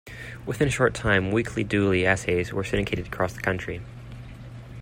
Within a short time, weekly Dooley essays were syndicated across the country.